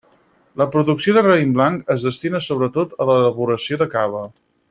La producció de raïm blanc es destina sobretot a l'elaboració de cava.